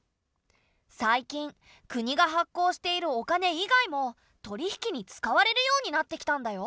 最近国が発行しているお金以外も取り引きに使われるようになってきたんだよ。